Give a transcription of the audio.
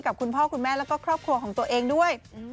คุณพ่อคุณแม่แล้วก็ครอบครัวของตัวเองด้วย